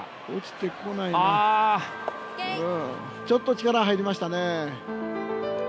ちょっと力入りましたね。